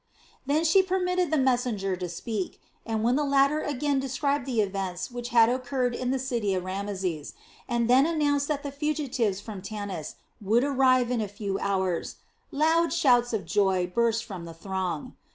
Then she permitted the messenger to speak, and when the latter again described the events which had occurred in the city of Rameses, and then announced that the fugitives from Tanis would arrive in a few hours, loud shouts of joy burst from the throng.